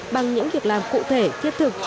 bằng những việc làm cụ thể thiết thực